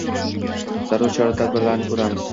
zarur chora-tadbirlarni ko‘ramiz.